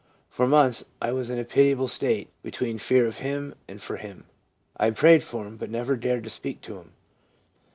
For months I was in a pitiable state between fear of him and for him. I prayed for him, but never dared to speak to him.'